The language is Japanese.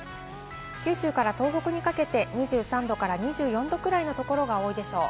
九州から東北にかけて２３度から２４度くらいのところが多いでしょう。